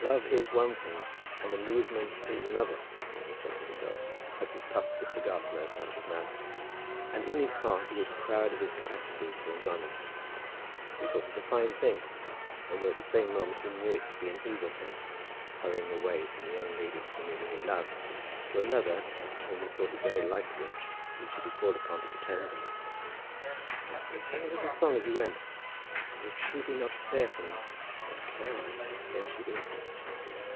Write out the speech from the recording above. "Love is one thing and amusement is another," he said to himself as he puffed the cigar smoke out of his mouth; and in his heart he was proud of his own capacity for enjoyment. He thought it a fine thing, although at the same moment he knew it to be an evil thing this hurrying away from the young lady whom he really loved to another as to whom he thought it very likely that he should be called upon to pretend to love her. And he sang a little song as he went, "If she be not fair for me, what care I how fair she be."